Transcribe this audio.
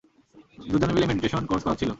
দুজনে মিলে meditation course করাচ্ছিল।